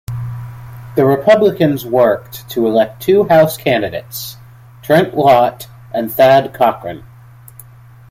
The Republicans worked to elect two House candidates, Trent Lott and Thad Cochran.